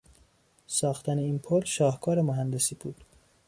ساختن این پل شاهکار مهندسی بود.